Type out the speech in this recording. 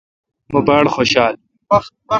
مہ باڑخوشال۔